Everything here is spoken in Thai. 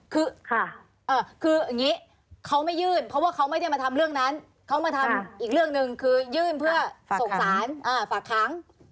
คืออย่างนี้เขาไม่ยื่นเพราะว่าเขาไม่ได้มาทำเรื่องนั้นเขามาทำอีกเรื่องหนึ่งคือยื่นเพื่อส่งสารฝากค้าง